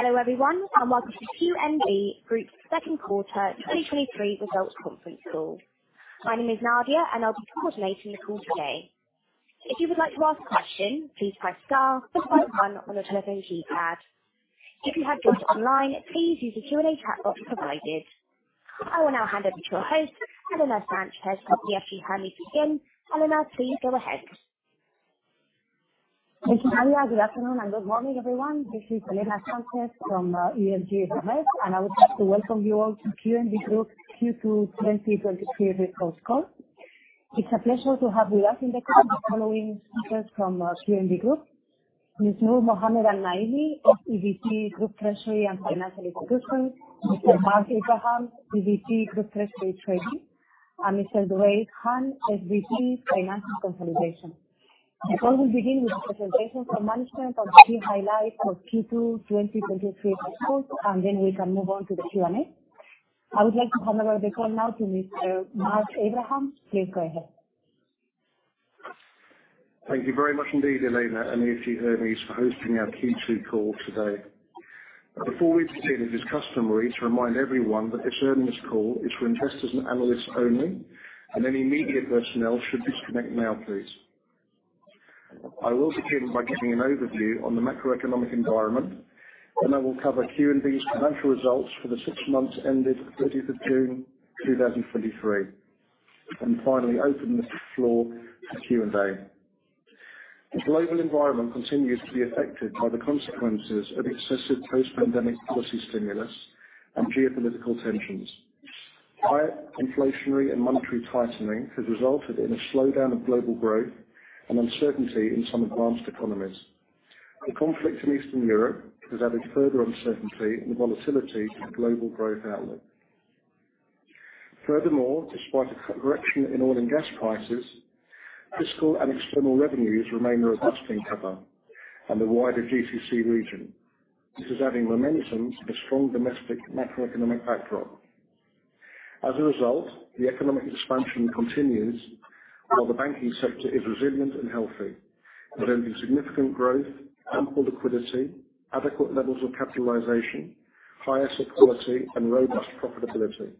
Hello everyone, welcome to QNB Group's second quarter 2023 results conference call. My name is Nadia, I'll be coordinating the call today. If you would like to ask a question, please press star, press one on your telephone keypad. If you have joined online, please use the Q&A chat box provided. I will now hand over to our host, Elena Sanchez-Cabezudo of EFG Hermes. Elena, please go ahead. Thank you, Nadia. Good afternoon and good morning, everyone. This is Elena Sanchez from EFG Hermes, I would like to welcome you all to QNB Group's Q2 2023 results call. It's a pleasure to have with us in the call the following speakers from QNB Group. Mr. Mohamed Al-Naimi, QNB Group Treasury and Financial Institutions, Mr. Bas Abraham, QNB Group Treasury Trading, and Mr. Dwede Hunt, SVP Financial Consolidation. The call will begin with a presentation from management of the key highlights for Q2 2023 results, then we can move on to the Q&A. I would like to hand over the call now to Mr. Bas Abraham. Please go ahead. Thank you very much indeed, Elena and EFG Hermes for hosting our Q2 call today. Before we begin, it is customary to remind everyone that this earnings call is for investors and analysts only, any media personnel should disconnect now, please. I will begin by giving an overview on the macroeconomic environment, I will cover QNB's financial results for the six months ended 30th of June 2023, finally open the floor for Q&A. The global environment continues to be affected by the consequences of excessive post-pandemic policy stimulus and geopolitical tensions. Higher inflationary and monetary tightening has resulted in a slowdown of global growth and uncertainty in some advanced economies. The conflict in Eastern Europe has added further uncertainty and volatility to the global growth outlook. Despite a correction in oil and gas prices, fiscal and external revenues remain robust in Qatar and the wider GCC region. This is adding momentum to the strong domestic macroeconomic backdrop. As a result, the economic expansion continues while the banking sector is resilient and healthy, with only significant growth, ample liquidity, adequate levels of capitalization, higher asset quality, and robust profitability.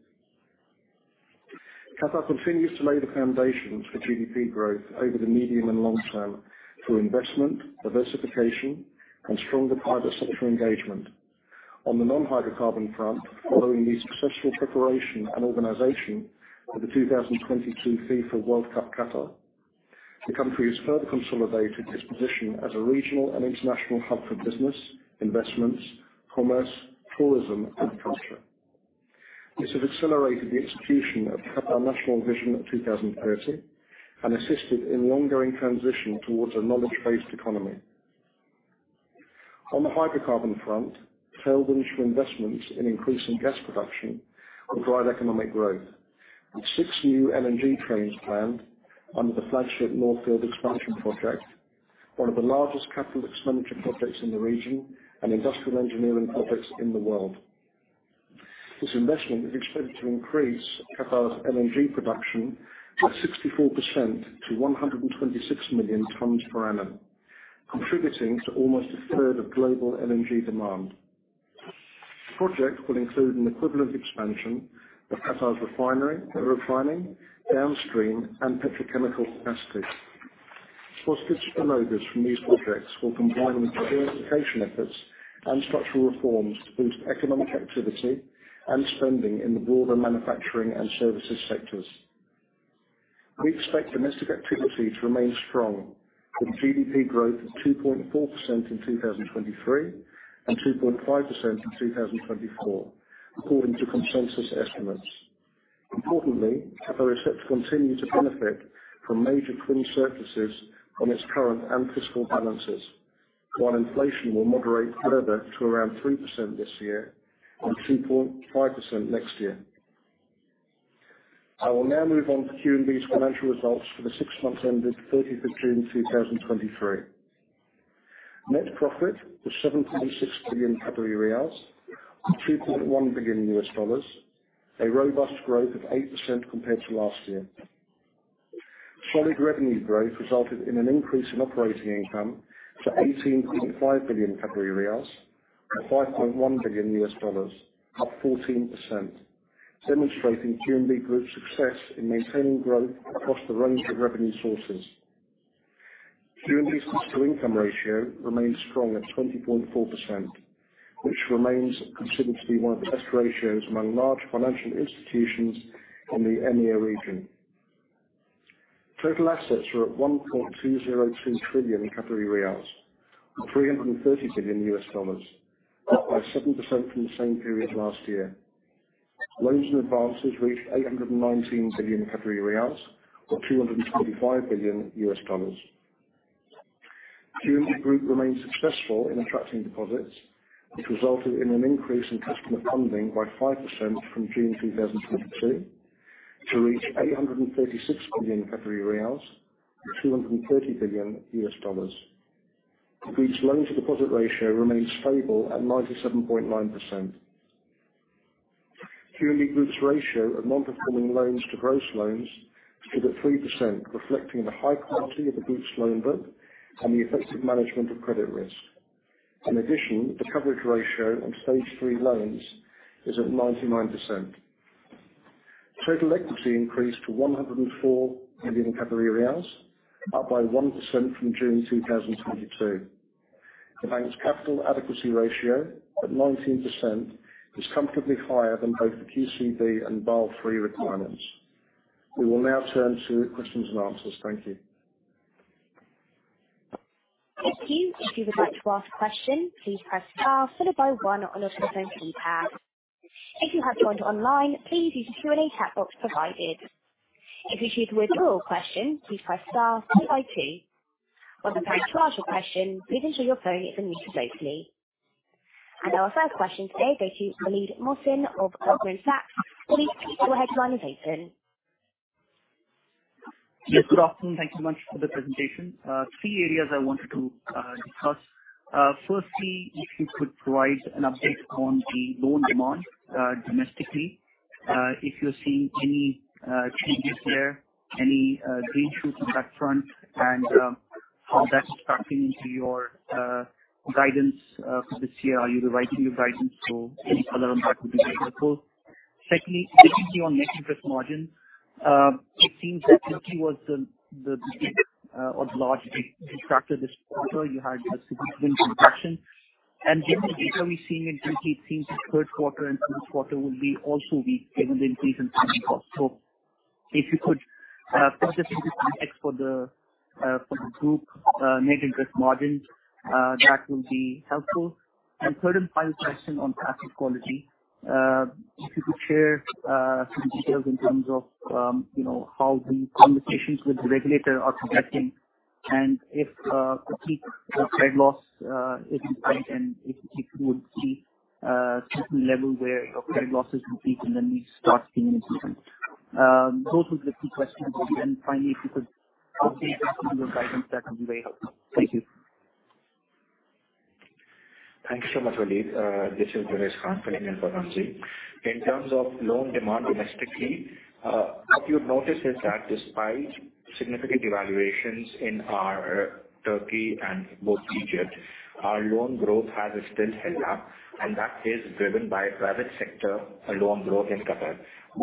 Qatar continues to lay the foundations for GDP growth over the medium and long term through investment, diversification, and stronger private sector engagement. On the non-hydrocarbon front, following the successful preparation and organization of the 2022 FIFA World Cup Qatar, the country has further consolidated its position as a regional and international hub for business, investments, commerce, tourism, and culture. This has accelerated the execution of Qatar National Vision 2030 and assisted in the ongoing transition towards a knowledge-based economy. On the hydrocarbon front, failed initial investments in increasing gas production have drive economic growth, with 6 new LNG trains planned under the flagship North Field Expansion project, one of the largest capital expenditure projects in the region and industrial engineering projects in the world. This investment is expected to increase Qatar's LNG production by 64% to 126 million tons per annum, contributing to almost a third of global LNG demand. The project will include an equivalent expansion of Qatar's refinery, refining, downstream, and petrochemical capacity. Spoffit promoters from these projects will combine with diversification efforts and structural reforms to boost economic activity and spending in the broader manufacturing and services sectors. We expect domestic activity to remain strong with a GDP growth of 2.4% in 2023 and 2.5% in 2024, according to consensus estimates. Importantly, Qatar is set to continue to benefit from major twin surpluses on its current and fiscal balances, while inflation will moderate further to around 3% this year and 2.5% next year. I will now move on to QNB's financial results for the 6 months ended 30th of June 2023. Net profit was 7.6 billion Qatari riyals or $2.1 billion, a robust growth of 8% compared to last year. Solid revenue growth resulted in an increase in operating income to 18.5 billion Qatari riyals or $5.1 billion, up 14%, demonstrating QNB Group's success in maintaining growth across the range of revenue sources. QNB's cost-to-income ratio remains strong at 20.4%, which remains considered to be one of the best ratios among large financial institutions in the EMEA region. Total assets were at 1.202 trillion or $330 billion, up by 7% from the same period last year. Loans and advances reached 819 billion Qatari riyals or $225 billion. QNB Group remains successful in attracting deposits, which resulted in an increase in customer funding by 5% from June 2022 to reach 836 billion Qatari riyals or $230 billion. QNB's loans-to-deposit ratio remains stable at 97.9%. QNB Group's ratio of Non-Performing Loans to gross loans stood at 3%, reflecting the high quality of the Group's loan book and the effective management of credit risk. In addition, the coverage ratio on stage 3 loans is at 99%. Total equity increased to 104 billion, up by 1% from June 2022. The bank's capital adequacy ratio, at 19%, is comfortably higher than both the QCB and Basel III requirements. We will now turn to questions and answers. Thank you. Thank you. If you would like to ask a question, please press star followed by one on your telephone keypad. If you have joined online, please use the Q&A chat box provided. If you'd like to withdraw your question, please press star followed by two. When preparing to ask your question, please ensure your phone is unmuted locally. Our first question today goes to Waleed Mohsin of Goldman Sachs. Please proceed, your headline is open. Yes. Good afternoon. Thank you much for the presentation. Three areas I wanted to discuss. Firstly, if you could provide an update on the loan demand domestically, if you are seeing any changes there, any green shoots on that front, and how that is factoring into your guidance for this year. Are you revising your guidance? Any color on that would be very helpful. Secondly, specifically on net interest margin. It seems that Turkey was the big or large deconstructor this quarter. You had a significant reduction. Given the data we are seeing in Turkey, it seems the third quarter and fourth quarter will be also weak given the increase in funding costs. If you could put this into context for the group net interest margin, that will be helpful. Third and final question on asset quality. If you could share some details in terms of how the conversations with the regulator are progressing and if complete credit loss is in sight and if you would see a certain level where your credit losses increase and then we start seeing an improvement. Those were the three questions. Finally, if you could update us on your guidance, that would be very helpful. Thank you. Thanks so much, Waleed. This is Suresh Kannan. In terms of loan demand domestically, what you have noticed is that despite significant devaluations in our Turkey and both Egypt, our loan growth has still held up, and that is driven by private sector loan growth in Qatar.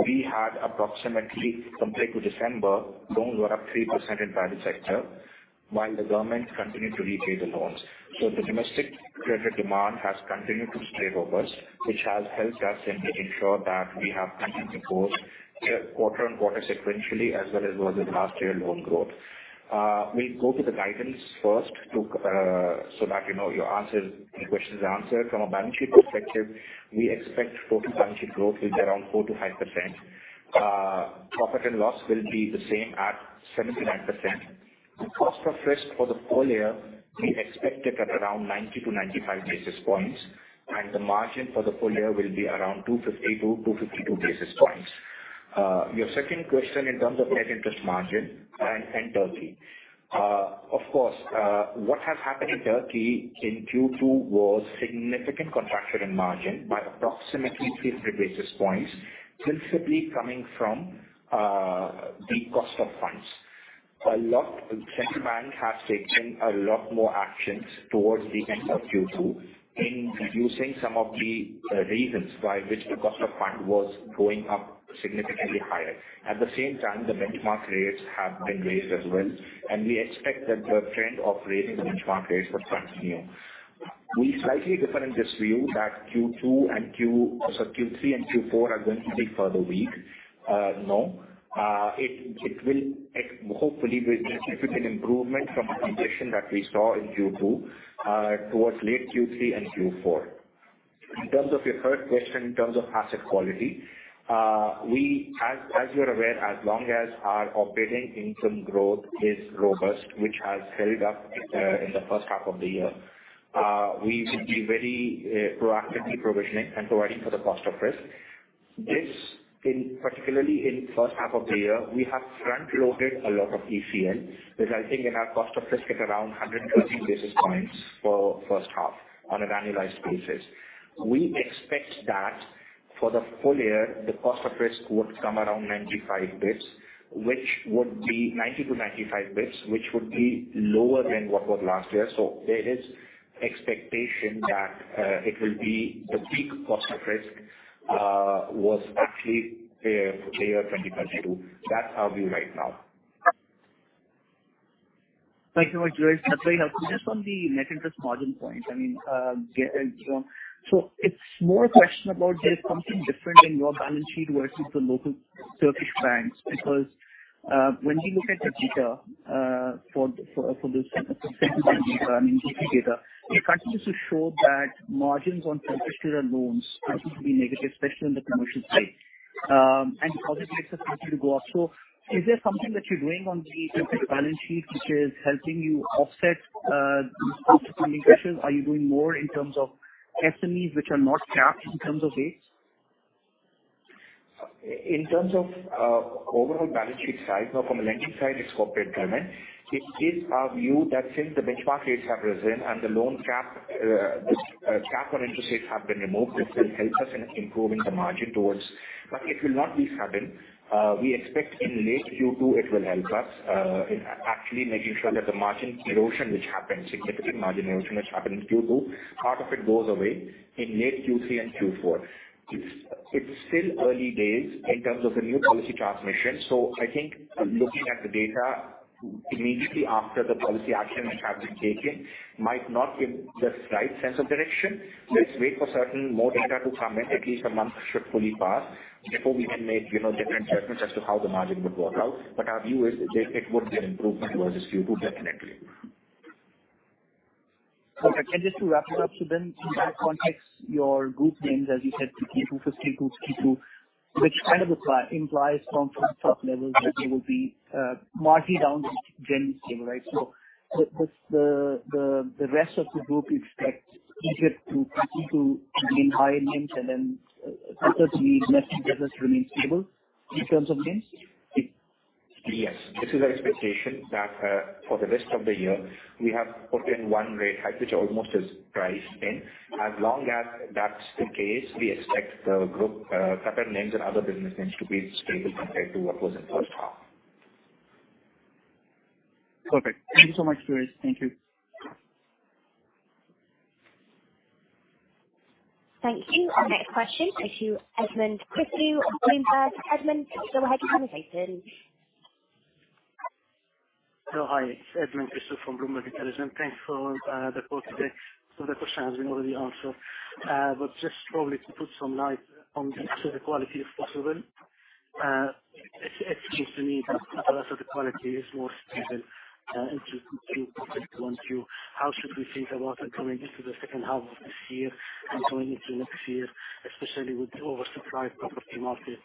We had approximately, compared to December, loans were up 3% in private sector while the government continued to repay the loans. The domestic credit demand has continued to stay robust, which has helped us in making sure that we have continued to grow quarter-on-quarter sequentially as well as versus last year loan growth. We will go to the guidance first so that your question is answered. From a balance sheet perspective, we expect total balance sheet growth will be around 4%-5%. Profit and loss will be the same at 79%. The cost of risk for the full year we expect it at around 90-95 basis points, and the margin for the full year will be around 250-252 basis points. Your second question in terms of net interest margin and Turkey. Of course, what has happened in Turkey in Q2 was significant contraction in margin by approximately 300 basis points, principally coming from the cost of funds. The central bank has taken a lot more actions towards the end of Q2 in reducing some of the reasons why which the cost of fund was going up significantly higher. At the same time, the benchmark rates have been raised as well. We expect that the trend of raising benchmark rates will continue. We slightly differ in this view that Q3 and Q4 are going to be further weak. No. Hopefully we'll see significant improvement from the condition that we saw in Q2 towards late Q3 and Q4. In terms of your third question in terms of asset quality, as you're aware, as long as our operating income growth is robust, which has held up in the first half of the year, we will be very proactively provisioning and providing for the cost of risk. Particularly in first half of the year, we have front-loaded a lot of ECL, resulting in our cost of risk at around 130 basis points for first half on an annualized basis. We expect that for the full year, the cost of risk would come around 90 to 95 basis points which would be lower than what was last year. There is expectation that it will be the peak cost of risk was actually for the year 2022. That's our view right now. Thank you very much, Suresh. That's very helpful. Just on the net interest margin point. It's more a question about there's something different in your balance sheet versus the local Turkish banks because when we look at the data for the central bank data and GDP data, it continues to show that margins on Turkish lira loans continue to be negative, especially on the commercial side. Obviously, it's expensive to go off. Is there something that you're doing on the Turkish balance sheet which is helping you offset these cost of funding pressures? Are you doing more in terms of SMEs which are not capped in terms of rates? In terms of overall balance sheet size, from a lending side, it's corporate impairment. It is our view that since the benchmark rates have risen and the loan cap on interest rates have been removed, this will help us in improving the margin towards, but it will not be sudden. We expect in late Q2 it will help us in actually making sure that the margin erosion which happened, significant margin erosion which happened in Q2, part of it goes away in late Q3 and Q4. It's still early days in terms of the new policy transmission. I think looking at the data immediately after the policy action which has been taken might not give the right sense of direction. Let's wait for certain more data to come in. At least a month should fully pass before we can make different judgments as to how the margin would work out. Our view is that it would be an improvement versus Q2, definitely. Just to wrap it up. In that context, your group NIMs, as you said, 52, 52, which kind of implies from top level that they will be margining down to generally stable, right? The rest of the group expect Egypt to continue to remain high in NIMs and certainly non-Qatar business remains stable in terms of NIMs? Yes. This is our expectation that for the rest of the year, we have put in one rate hike, which almost is priced in. As long as that's the case, we expect the group Qatar NIMs and other business NIMs to be stable compared to what was in first half. Perfect. Thank you so much, Suresh. Thank you. Thank you. Our next question goes to Edmond Christou of Bloomberg. Edmund, go ahead. Your line is open. Hello. Hi, it's Edmond Christou from Bloomberg Intelligence. Thanks for the call today. Some of the questions have been already answered. Just probably to put some light on the asset quality, if possible. It seems to me that asset quality is more stable into Q1, Q. How should we think about it going into the second half of this year and going into next year, especially with the oversupply property market,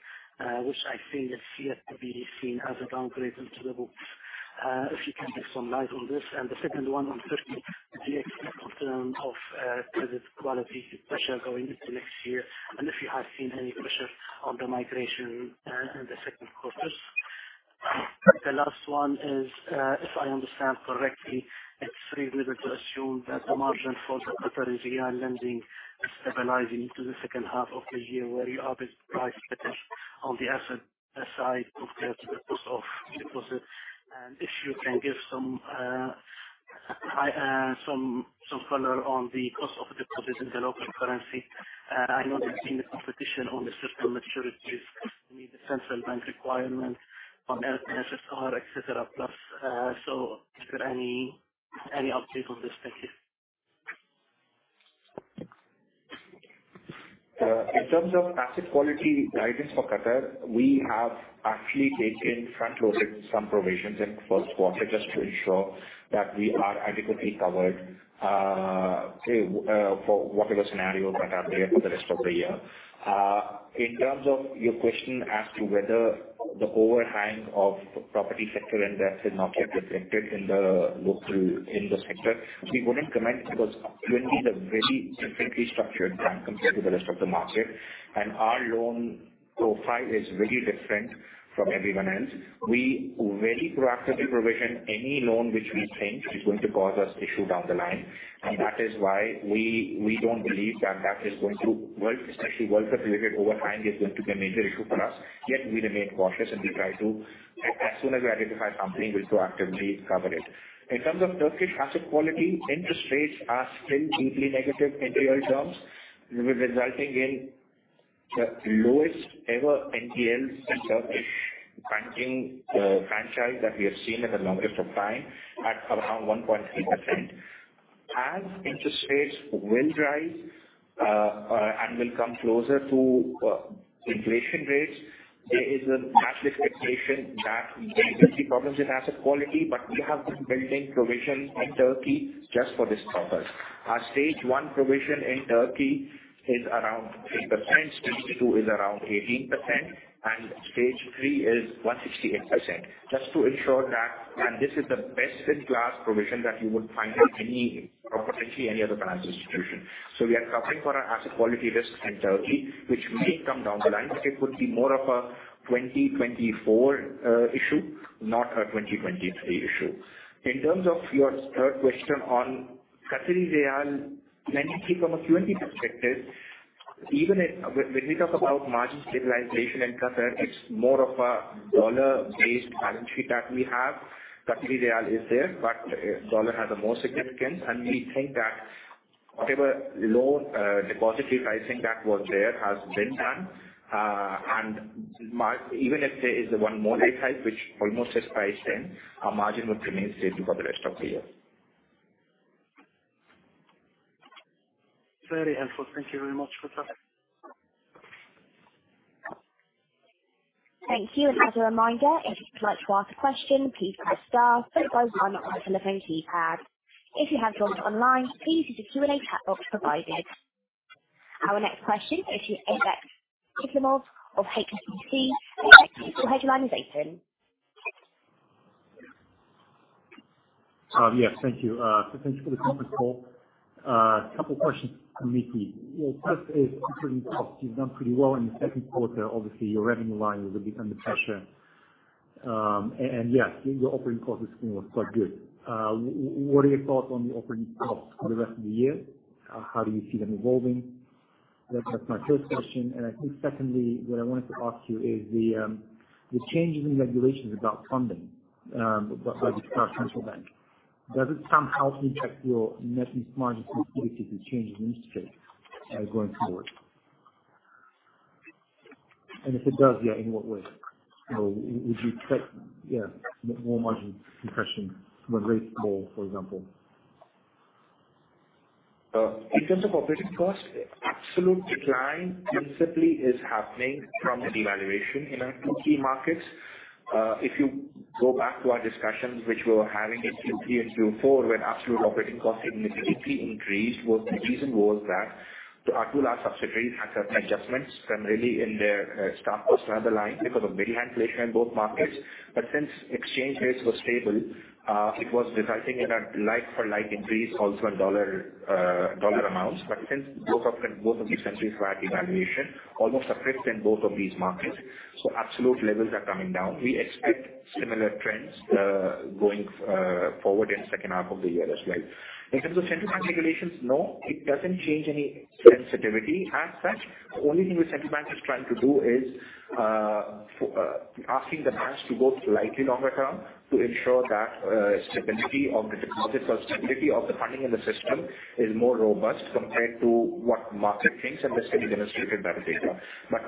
which I think is yet to be seen as a downgrade into the books. If you can shed some light on this. The second one on Turkey. Do you expect concerns of credit quality pressure going into next year? If you have seen any pressure on the migration in the second quarter. The last one is, if I understand correctly, it's reasonable to assume that the margin for the Qatari rial lending is stabilizing to the second half of the year where you are bit priced better on the asset side compared to the cost of deposits. If you can give some color on the cost of deposits in the local currency. I know there's been a competition on the system maturities to meet the central bank requirement on LCR, NSFR, et cetera plus. Is there any update on this? Thank you. In terms of asset quality guidance for Qatar, we have actually taken front-loaded some provisions in first quarter just to ensure that we are adequately covered for whatever scenario might happen for the rest of the year. In terms of your question as to whether the overhang of property sector and that is not yet reflected in the book in the sector, we wouldn't comment because QNB is a very differently structured bank compared to the rest of the market, and our loan profile is very different from everyone else. We very proactively provision any loan which we think is going to cause us issue down the line. That is why we don't believe that, especially wealth affiliated overhang is going to be a major issue for us. We remain cautious, and we try to, as soon as we identify something, we'll proactively cover it. In terms of Turkish asset quality, interest rates are still deeply negative in real terms, resulting in the lowest ever NPLs in Turkish banking franchise that we have seen in the longest of time at around 1.3%. Interest rates will rise and will come closer to inflation rates, there is a natural expectation that there will be problems in asset quality, we have been building provision in Turkey just for this purpose. Our stage 1 provision in Turkey is around 6%, stage 2 is around 18%, and stage 3 is 168%, just to ensure that, this is the best-in-class provision that you would find in potentially any other financial institution. We are covering for our asset quality risk in Turkey, which may come down the line, but it would be more of a 2024 issue, not a 2023 issue. In terms of your third question on Qatari rial, let me think from a QNB perspective. Even when we talk about margin stabilization in Qatar, it's more of a dollar-based balance sheet that we have. Qatari rial is there, but dollar has a more significance, and we think that whatever loan deposit repricing that was there has been done. Even if there is one more rate hike, which almost is priced in, our margin would remain stable for the rest of the year. Very helpful. Thank you very much for that. Thank you. As a reminder, if you'd like to ask a question, please press star, followed by one on the telephone keypad. If you have joined online, please use the Q&A chat box provided. Our next question goes to Alex of HSBC. Alex, your line is open. Yes. Thank you. Thanks for the conference call. Couple questions for Miki. First is operating costs. You've done pretty well in the second quarter. Obviously, your revenue line will be under pressure. Yes, your operating cost is looking quite good. What are your thoughts on the operating costs for the rest of the year? How do you see them evolving? That's my first question. I think secondly, what I wanted to ask you is the change in the regulations about funding by the Central Bank. Does it somehow impact your net margin sensitivity to changes in interest rates going forward? If it does, in what way? Would you expect more margin compression from a rate fall, for example? In terms of operating cost, absolute decline principally is happening from a devaluation in our two key markets. If you go back to our discussions which we were having in Q3 and Q4, when absolute operating costs significantly increased, the reason was that our two large subsidiaries had certain adjustments primarily in their staff cost line because of very high inflation in both markets. Since exchange rates were stable, it was resulting in a like for like increase also in dollar amounts. Since both of these entities were at devaluation, almost a fifth in both of these markets, absolute levels are coming down. We expect similar trends going forward in second half of the year as well. In terms of Central Bank regulations, no, it doesn't change any sensitivity as such. The only thing the Central Bank is trying to do is asking the banks to go slightly longer term to ensure that stability of the deposits or stability of the funding in the system is more robust compared to what market thinks. This has been illustrated by the data.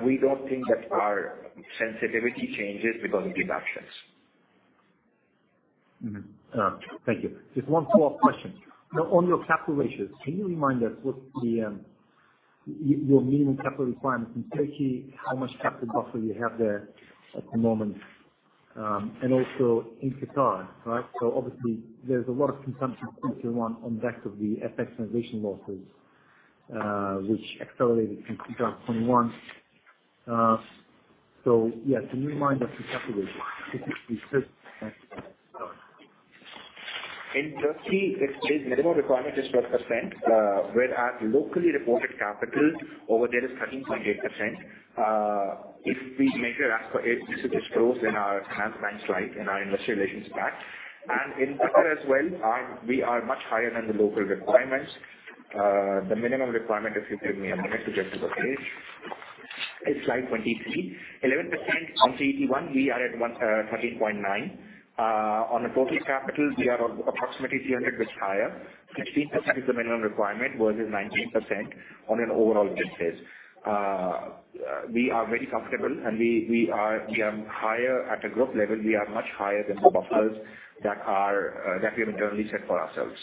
We don't think that our sensitivity changes because of these actions. Thank you. Just one follow-up question. On your capital ratios, can you remind us what's your minimum capital requirements in Turkey, how much capital buffer you have there at the moment, and also in Qatar, right? Obviously there's a lot of consumption Q1 on the back of the FX realization losses, which accelerated in Q1 2021. Yes, can you remind us the capital ratio? In Turkey, its minimum requirement is 12%, whereas locally reported capital over there is 13.8%. If we measure as per it, this is disclosed in our Finansbank slide in our investor relations pack. In Qatar as well, we are much higher than the local requirements. The minimum requirement is, if you give me a minute to get to the page, it's slide 23. 11% on CET1, we are at 13.9%. On a total capital, we are approximately 300 basis points higher. 16% is the minimum requirement versus 19% on an overall basis. We are very comfortable. At a group level, we are much higher than the buffers that we have internally set for ourselves.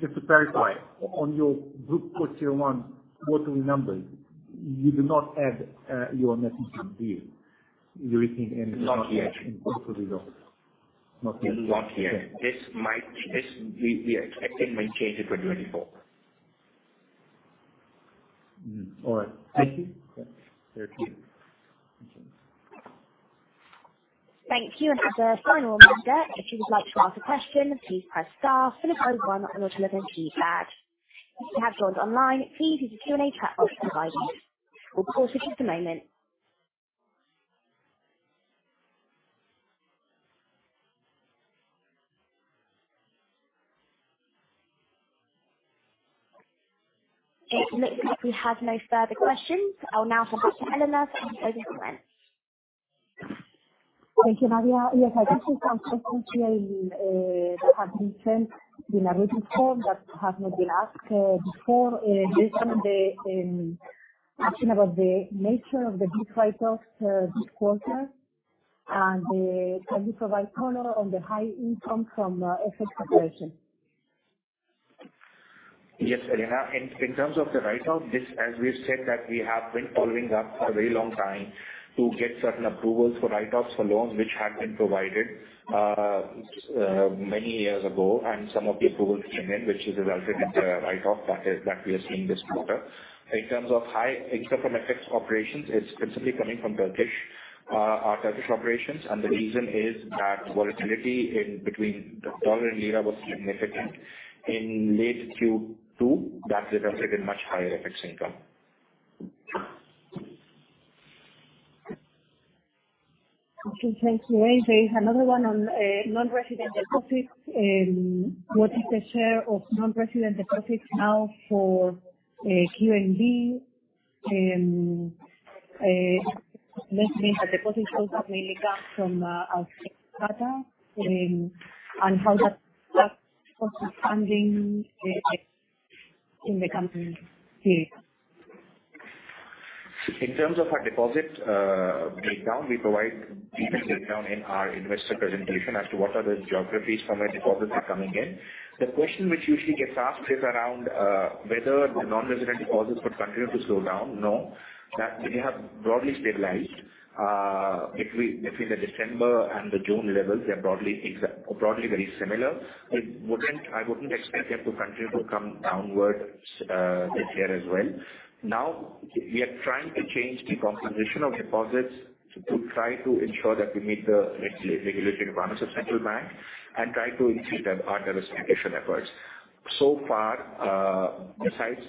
Just to verify, on your group core Tier 1 quarterly numbers, you do not add your net instrument deal, you're keeping. Not yet. Not yet. Not yet. We are expecting may change in 2024. All right. Thank you. Thank you. The final reminder, if you would like to ask a question, please press star followed by one on your telephone keypad. If you have joined online, please use the Q&A chat box provided. We'll pause for just a moment. It looks like we have no further questions. I'll now go back to Elena for any further questions. Thank you, Nadia. Yes, I guess there's some questions here that have been sent in a written form that have not been asked before. Based on the question about the nature of the big write-offs this quarter, and can you provide color on the high income from FX operations? Yes, Elena. In terms of the write-off, as we have said that we have been following up for a very long time to get certain approvals for write-offs for loans which had been provided many years ago, and some of the approvals came in, which has resulted in the write-off that we are seeing this quarter. In terms of high income from FX operations, it's principally coming from our Turkish operations, and the reason is that volatility between the U.S. dollar and lira was significant in late Q2. That resulted in much higher FX income. Okay, thank you. There is another one on non-resident deposits. What is the share of non-resident deposits now for QNB? Let's say that deposits also mainly come from Qatar and how that deposit funding in the coming period. In terms of our deposit breakdown, we provide detailed breakdown in our investor presentation as to what are the geographies from where deposits are coming in. The question which usually gets asked is around whether the non-resident deposits would continue to slow down. No. They have broadly stabilized. Between the December and the June levels, they are broadly very similar. I wouldn't expect them to continue to come downwards this year as well. Now we are trying to change the composition of deposits to try to ensure that we meet the regulatory requirements of Central Bank and try to increase our diversification efforts. So far, besides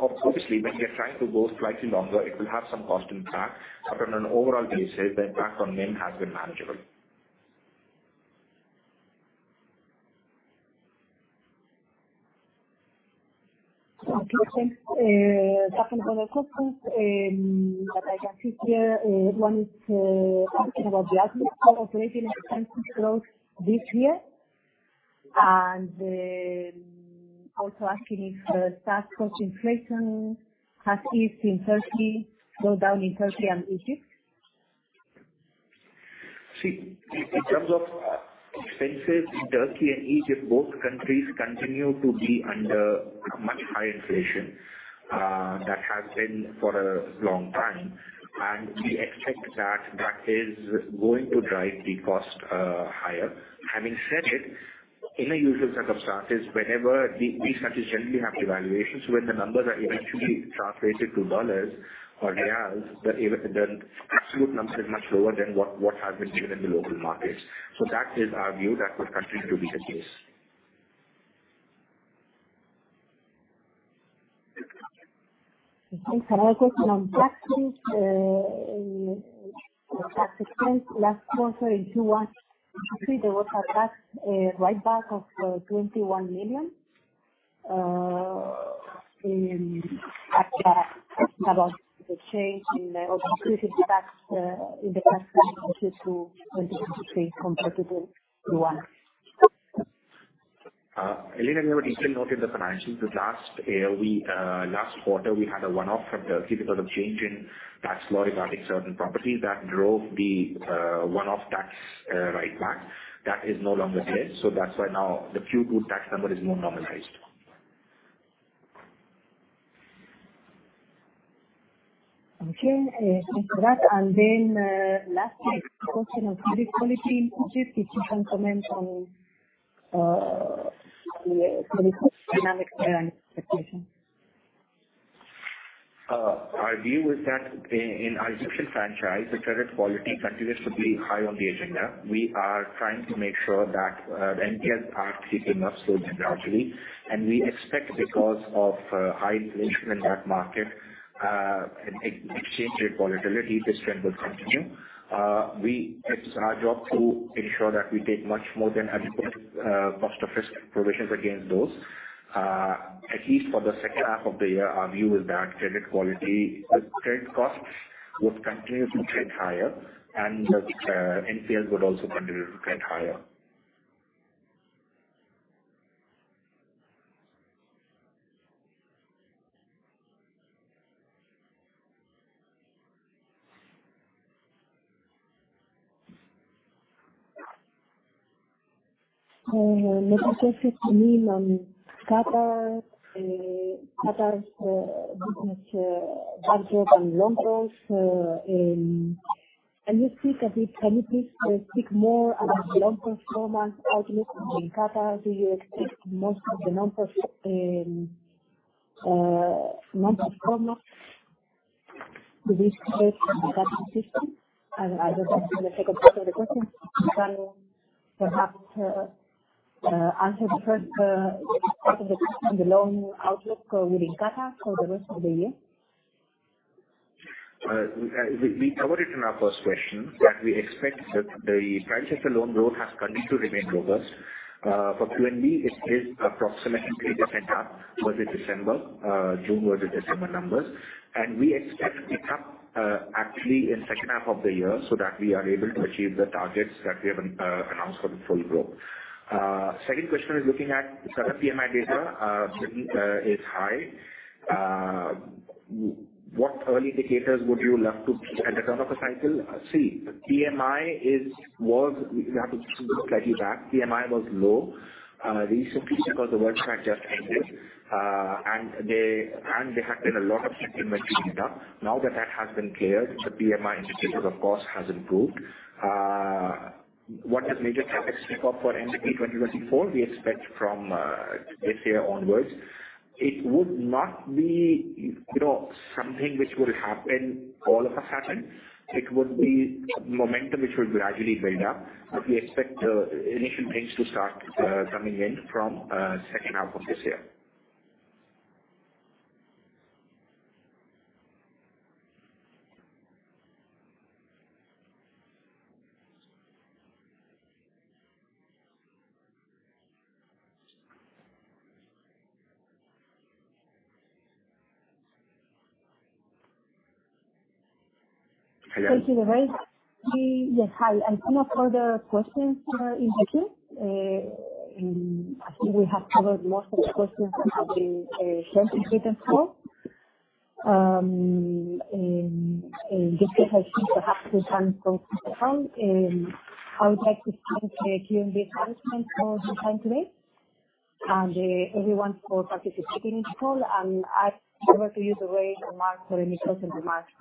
obviously when we are trying to go slightly longer, it will have some cost impact. On an overall basis, the impact on NIM has been manageable. Okay. Second set of questions that I can see here. One is asking about the outlook for operating expenses growth this year, also asking if the staff cost inflation has eased in Turkey, go down in Turkey and Egypt. In terms of expenses in Turkey and Egypt, both countries continue to be under much higher inflation. That has been for a long time, and we expect that that is going to drive the cost higher. Having said it, in a usual set of circumstances, whenever these countries generally have devaluations, when the numbers are eventually translated to USD or QAR, the absolute number is much lower than what has been given in the local markets. That is our view that would continue to be the case. Thanks. Another question on tax expense last quarter in 2021, 2023, there was a tax write-back of QAR 21 million. Asking about the change in the increased tax in the first half of 2022 to 2023 comparable to one. Elena, you would easily note in the financials that last quarter, we had a one-off from Turkey because of change in tax law regarding certain properties that drove the one-off tax write-back. That is no longer there. That's why now the Q2 tax number is more normalized. Okay. Thanks for that. Lastly, a question on credit quality in Egypt, if you can comment on credit cost dynamics there and expectations. Our view is that in our Egyptian franchise, the credit quality continues to be high on the agenda. We are trying to make sure that NPLs are creeping up slowly, gradually. We expect because of high inflation in that market, exchange rate volatility, this trend will continue. It's our job to ensure that we take much more than adequate cost of risk provisions against those. At least for the second half of the year, our view is that the credit costs would continue to trend higher. The NPLs would also continue to trend higher. Another question for me on Qatar's business outlook and loan growth. Can you please speak more about the loan performance outlook in Qatar? Do you expect most of the loan performance to be stressed in that system? And the second part of the question, can you perhaps answer the first part of the question, the loan outlook within Qatar for the rest of the year? We covered it in our first question, that we expect that the franchise loan growth has continued to remain robust. For QNB, it is approximately 3% up versus December, June versus December numbers. We expect a pick-up actually in second half of the year so that we are able to achieve the targets that we have announced for the full growth. Second question is looking at current PMI data, which is high. What early indicators would you love to at the turn of a cycle? See, PMI was low recently because the World Cup just ended, and there had been a lot of inventory build-up. Now that that has been cleared, the PMI indicator, of course, has improved. One of the major topics pick up for NFE 2024, we expect from this year onwards. It would not be something which will happen all of a sudden. It would be momentum which will gradually build up. We expect initial things to start coming in from second half of this year. Thank you, Ray. I have no further questions in the queue. I think we have covered most of the questions that have been sent in written form. Just because I seem to have some time, I would like to thank the QNB management for your time today and everyone for participating in the call. I'll leave Ray to make any closing remarks.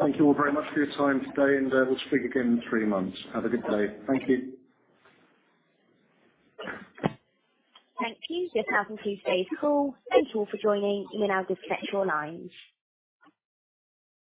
Thank you all very much for your time today. We'll speak again in three months. Have a good day. Thank you. Thank you. This concludes today's call. Thank you all for joining. You may now disconnect your lines.